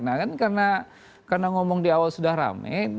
nah kan karena ngomong di awal sudah rame